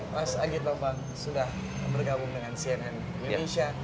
mas agit bambang sudah bergabung dengan cnn indonesia